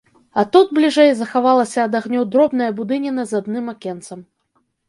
А тут, бліжэй, захавалася ад агню дробная будыніна з адным акенцам.